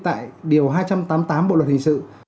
tại điều hai trăm tám mươi tám bộ luật hình sự